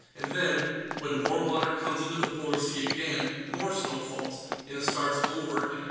And then, when warm water comes into the polar sea again, more snow falls, and it starts over again.